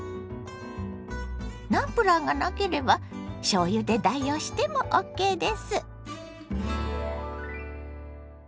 ナムプラーがなければしょうゆで代用してもＯＫです。